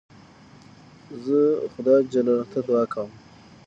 زه خدای جل جلاله ته دؤعا کوم.